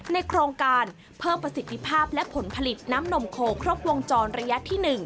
ในโครงการเพิ่มประสิทธิภาพและผลผลิตน้ำนมโคครบวงจรระยะที่๑